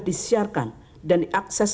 disiarkan dan diakses